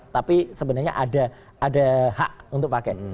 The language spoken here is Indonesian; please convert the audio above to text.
tapi sebenarnya ada hak untuk pakai